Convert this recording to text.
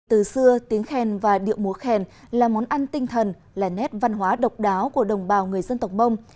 từ xưa tiếng khen và điệu múa khen là món ăn tinh thần là nét văn hóa độc đáo của đồng bào người dân tộc mông